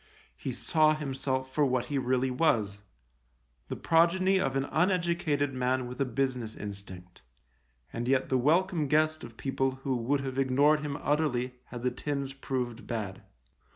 He saw himself for what he really was — the progeny of an uneducated man with a business instinct, and yet the welcome guest of people who would have ignored him utterly had the tins proved bad.